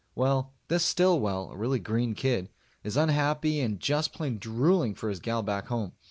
Well, this Stillwell a really green kid is unhappy and just plain drooling for his gal back home.